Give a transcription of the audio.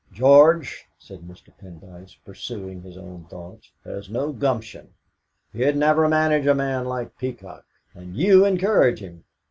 "George," said Mr. Pendyce, pursuing his own thoughts, "has no gumption. He'd never manage a man like Peacock and you encourage him!